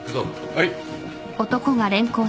はい。